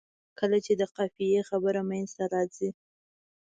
کله چې د قافیې خبره منځته راځي.